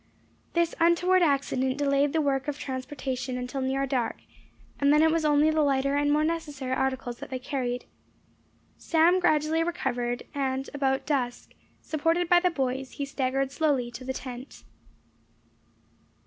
This untoward accident delayed the work of transportation until near dark, and then it was only the lighter and more necessary articles that they carried. Sam gradually recovered, and about dusk, supported by the boys, he staggered slowly to the tent.